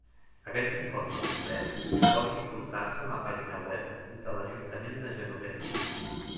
Aquest informe complet pot consultar-se en la pàgina web de l'Ajuntament de Genovés.